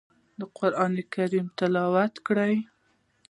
قرآن تلاوت کړئ